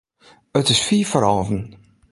It is fiif foar alven.